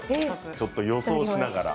ちょっと予想しながら。